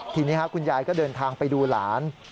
ทีนี้คุณยายก็เดินทางไปดูหลาน